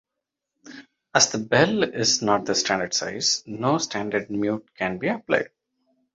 As the bell is not the standard size, no standard mute can be applied.